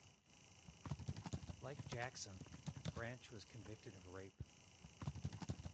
Like Jackson, Branch was convicted of rape.